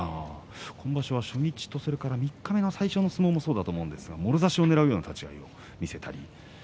今場所は初日と三日目の最初の相撲ももろ差しをねらうような立ち合いを見せたり。